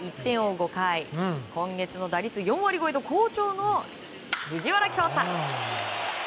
５回今月の打率４割超えと好調の藤原恭大。